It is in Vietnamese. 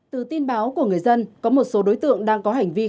từ tin báo của người dân có một số đối tượng đang có hành vi